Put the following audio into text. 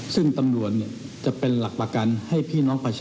ซึ่งตำรวจจะเป็นหลักประกันให้พี่น้องประชาชน